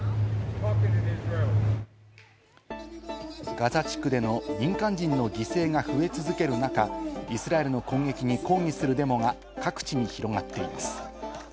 ガザ地区での民間人の犠牲が増え続ける中、イスラエルの攻撃に抗議するデモが各地に広がっています。